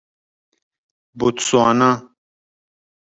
بوتسوانا